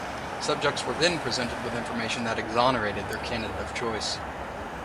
Subjects were then presented with information that exonerated their candidate of choice.